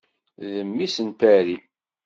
D mmi-s n Paris.